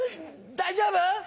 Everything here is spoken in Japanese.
大丈夫？